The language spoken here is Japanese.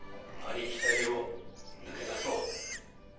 ありきたりを抜け出そう。